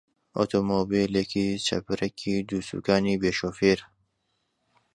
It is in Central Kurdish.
ئۆتۆمبێلێکی چەپرەکی دووسوکانی بێ شۆفێر؟